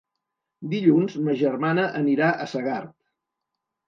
Dilluns ma germana anirà a Segart.